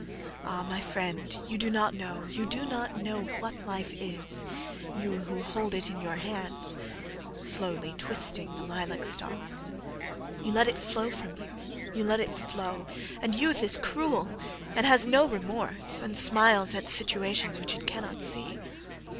"Ah, my friend, you do not know, you do not knowWhat life is, you who hold it in your hands";(Slowly twisting the lilac stalks)"You let it flow from you, you let it flow, And youth is cruel, and has no remorseAnd smiles at situations which it cannot see."